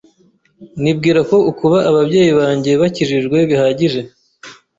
nibwira ko ukuba ababyeyi banjye bakijijwe bihagije